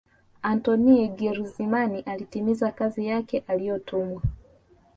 antoine grizman alitimiza kazi yake aliyotumwa